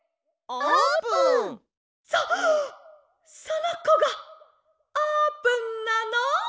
「そそのこがあーぷんなの！？